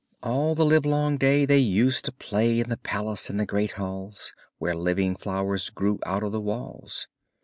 All the livelong day they used to play in the palace in the great halls, where living flowers grew out of the walls.